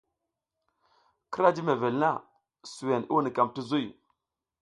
Kira jiy mevel na, suwen i wunukam ti zuy.